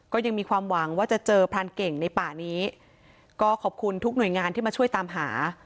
ก็ยังมีความหวังว่าจะเจอพรานเก่งในป่านี้ก็ขอบคุณทุกหน่วยงานที่มาช่วยตามหา